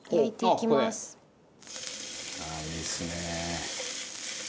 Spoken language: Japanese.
ああいいですね。